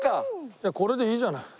いやこれでいいじゃない。